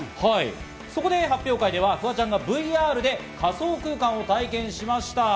そこで、発表会ではフワちゃんがＶＲで仮想空間を体験しました。